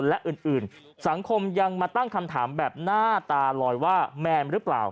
และอื่นสังคมยังมาตั้งคำถามแบบหน้าตาลอยว่าแมนหรือเปล่า